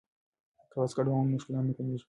که واسکټ واغوندو نو ښکلا نه کمیږي.